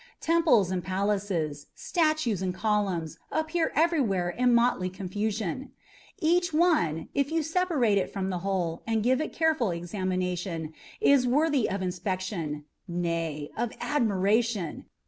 Temples and palaces, statues and columns appear everywhere in motley confusion. Each one, if you separate it from the whole and give it a careful examination, is worthy of inspection, nay, of admiration.